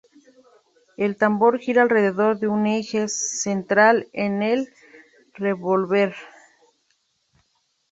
El tambor gira alrededor de un eje central en el revólver.